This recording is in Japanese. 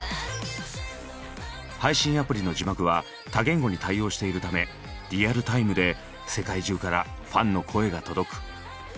配信アプリの字幕は多言語に対応しているためリアルタイムで世界中からファンの声が届く。